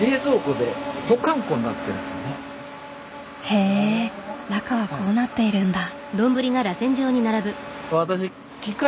へえ中はこうなっているんだ。